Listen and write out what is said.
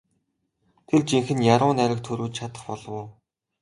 Тэр жинхэнэ яруу найраг туурвиж чадах болов уу?